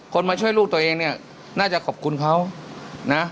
มาช่วยลูกตัวเองเนี่ยน่าจะขอบคุณเขานะ